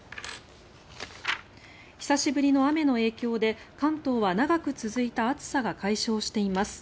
久しぶりの雨の影響で関東は長く続いた暑さが解消しています。